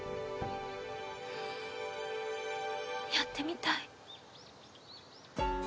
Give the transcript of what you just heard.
やってみたい。